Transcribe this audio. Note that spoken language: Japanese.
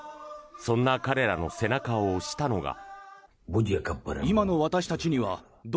そんな彼らの背中を押したのが。